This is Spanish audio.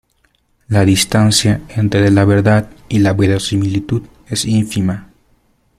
La distancia entre la verdad y la verosimilitud es ínfima.